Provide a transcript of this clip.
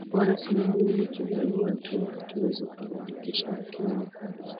wanasema huyu ni kibarua tu hatuwezi kumwandikisha lakini ni haki